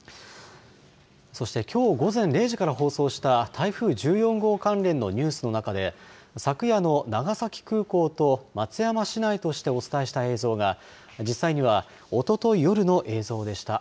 そして、きょう午前０時から放送した台風１４号関連のニュースの中で昨夜の長崎空港と松山市内としてお伝えした映像が実際にはおととい夜の映像でした。